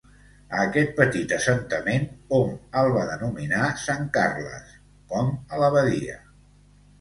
A aquest petit assentament hom el va denominar Sant Carles, com a la Badia.